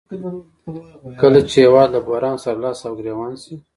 کله چې هېواد له بحران سره لاس او ګریوان شي